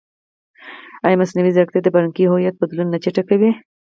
ایا مصنوعي ځیرکتیا د فرهنګي هویت بدلون نه چټکوي؟